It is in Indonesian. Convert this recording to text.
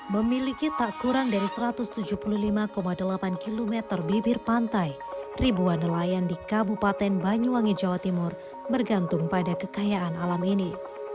memiliki tak kurang dari satu ratus tujuh puluh lima delapan km bibir pantai ribuan nelayan di kabupaten banyuwangi jawa timur bergantung pada kekayaan alam ini